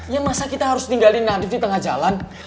ya masa kita harus tinggalin nanti di tengah jalan